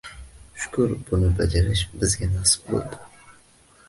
Shukr, buni bajarish bizga nasib boʻldi.